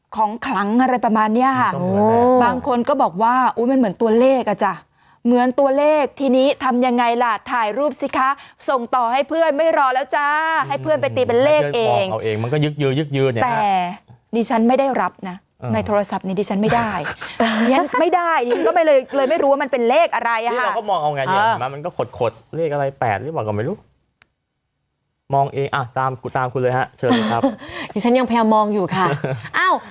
ของคลังอะไรประมาณนี้บางคนก็บอกว่ามันเหมือนตัวเลขอาจจะเหมือนตัวเลขที่นี้ทำยังไงล่ะถ่ายรูปสิคะส่งต่อให้เพื่อนไม่รอแล้วจ้าให้เพื่อนไปตีเป็นเลขเองเอาเองมันก็ยึกยืนยึกยืนแต่ดิฉันไม่ได้รับนะในโทรศัพท์นี้ดิฉันไม่ได้ไม่ได้ก็ไม่เลยเลยไม่รู้ว่ามันเป็นเลขอะไรอ่ะก็มองเอาไงมันก็ขดเลขอะไร๘หรือบอกว่าไม่